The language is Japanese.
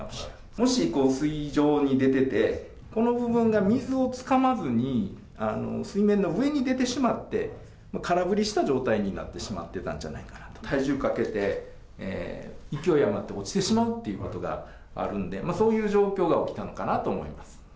もし水上に出てて、この部分が水をつかまずに、水面の上に出てしまって、空振りした状態になってしまってたんじゃないかなと、体重かけて、勢い余って落ちてしまうっていうことがあるんで、そういう状況が起きたのかなと思います。